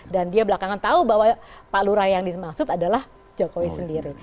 dan dia belakangan tahu bahwa pak lurah yang dimaksud adalah jokowi sendiri